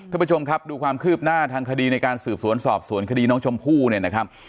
ท่านผู้ชมครับดูความคืบหน้าทางคดีในการสืบสวนสอบสวนคดีน้องชมพู่เนี่ยนะครับ